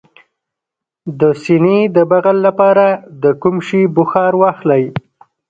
د سینې د بغل لپاره د کوم شي بخار واخلئ؟